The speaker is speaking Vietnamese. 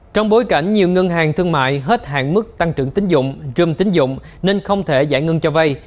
trong bối cảnh nhiều ngân hàng thương mại hết hạn mức tăng trưởng tính dụng rơm tính dụng nên không thể giải ngân cho vay